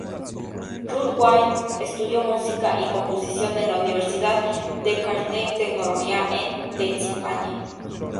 Ruth White estudió música y composición en la Universidad de Carnegie Tecnología en Pensilvania.